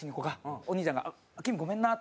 お兄ちゃんが「きむ、ごめんな。